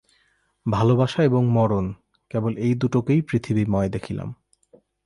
ভালোবাসা এবং মরণ কেবল এই দুটোকেই পৃথিবীময় দেখিলাম।